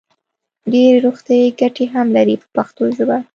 ډېرې روغتیايي ګټې هم لري په پښتو ژبه.